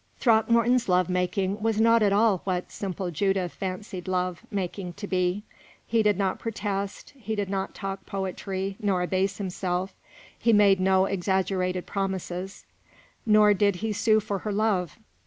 Throckmorton's love making was not at all what simple Jacqueline fancied love making to be. He did not protest he did not talk poetry, nor abase himself; he made no exaggerated promises, nor did he sue for her love.